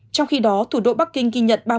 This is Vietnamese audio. trong khi đó thủ đội bắc kinh ghi nhận